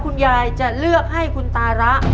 คุณยายแจ้วเลือกตอบจังหวัดนครราชสีมานะครับ